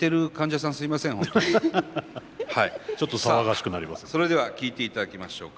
さあそれでは聴いていただきましょうか。